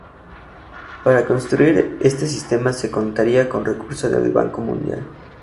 Para construir este sistema se contaría con recursos del Banco Mundial.